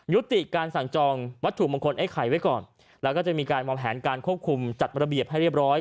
ยุติการสั่งจองวัตถุมงคลไอ้ไข่ไว้ก่อนแล้วก็จะมีการวางแผนการควบคุมจัดระเบียบให้เรียบร้อย